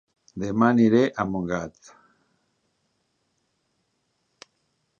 Dema aniré a Montgat